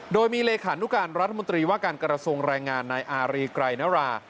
โดยมีเลขานุการรัฐมนตรีว่าการกระทรวงแรงงานนายอารีไกรนรา